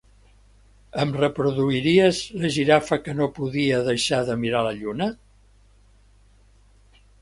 Em reproduiries "La girafa que no podia deixar de mirar la lluna"?